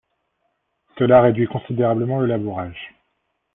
Cela réduit considérablement le labourage.